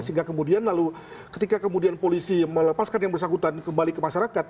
sehingga kemudian lalu ketika kemudian polisi melepaskan yang bersangkutan kembali ke masyarakat